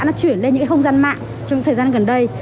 nó chuyển lên những không gian mạng trong thời gian gần đây